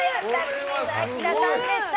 清水アキラさんでした。